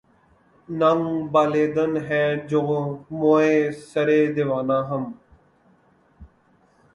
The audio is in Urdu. ننگ بالیدن ہیں جوں موئے سرِ دیوانہ ہم